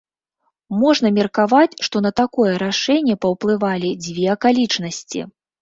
Можна меркаваць, што на такое рашэнне паўплывалі дзве акалічнасці.